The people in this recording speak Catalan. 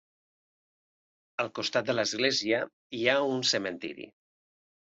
Al costat de l'església hi ha un cementiri.